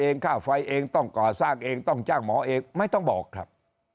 ค่าไฟเองต้องก่อสร้างเองต้องจ้างหมอเองไม่ต้องบอกครับ